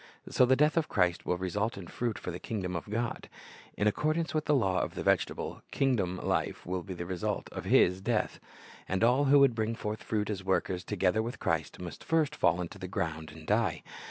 "^ So the death of Christ will result in fruit for the kingdom of God. In accordance with the law of the vegetable kingdom, life will be the result of His death. And all who would bring forth fruit as workers together with Christ, must first fall into the ground and die.